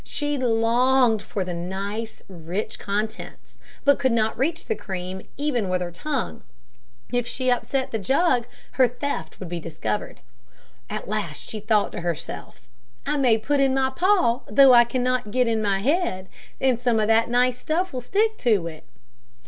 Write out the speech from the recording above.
She longed for the nice rich contents, but could not reach the cream even with her tongue; if she upset the jug, her theft would be discovered. At last she thought to herself, "I may put in my paw, though I cannot get in my head, and some of that nice stuff will stick to it."